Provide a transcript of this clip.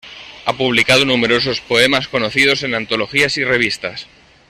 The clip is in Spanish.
Ha publicado numerosos poemas conocidos en antologías y revistas.